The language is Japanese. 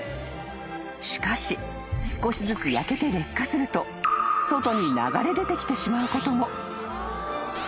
［しかし少しずつ焼けて劣化すると外に流れ出てきてしまうことも］